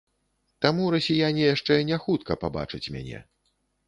Таму расіяне яшчэ не хутка пабачаць мяне.